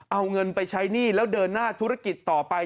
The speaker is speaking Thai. เอาเงินไปใช้หนี้แล้วเดินหน้าธุรกิจต่อไป